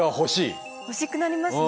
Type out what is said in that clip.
欲しくなりますね。